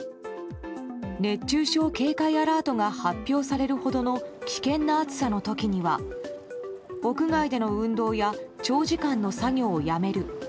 熱中症警戒アラートが発表されるほどの危険な暑さの時には屋外での運動や長時間の作業をやめる。